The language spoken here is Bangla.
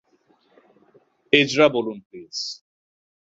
এজরা বলুন প্লিজ।